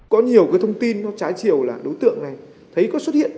một thông tin trái chiều là đối tượng này thấy có xuất hiện